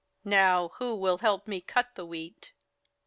Now who will help me cut the wheat?"